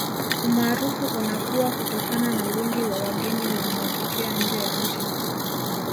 Umaarufu unakuwa kutokana na wingi wa wageni wanaotokea nje ya nchi